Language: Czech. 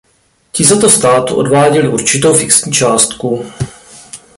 Ti za to státu odváděli určitou fixní částku.